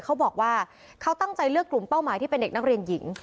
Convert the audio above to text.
เขาบอกว่าเขาตั้งใจเลือกกลุ่มเป้าหมายที่เป็นเด็กนักเรียนหญิง